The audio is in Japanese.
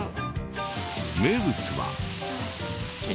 名物は。